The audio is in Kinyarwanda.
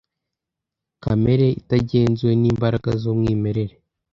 Kamere itagenzuwe n'imbaraga z'umwimerere.